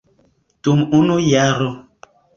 Dum unu jaro.